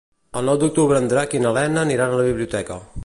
El nou d'octubre en Drac i na Lena aniran a la biblioteca.